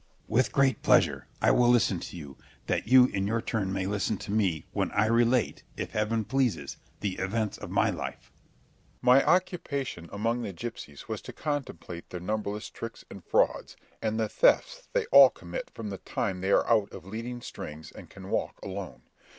Scip. With great pleasure. I will listen to you, that you in your turn may listen to me, when I relate, if heaven pleases, the events of my life. Berg. My occupation among the gipsies was to contemplate their numberless tricks and frauds, and the thefts they all commit from the time they are out of leading strings and can walk alone.